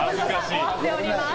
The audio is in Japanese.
終わっております。